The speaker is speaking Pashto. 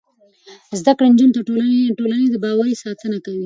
زده کړې نجونې د ټولنې د باور ساتنه کوي.